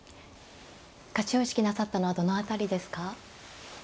勝ちを意識なさったのはどの辺りですか？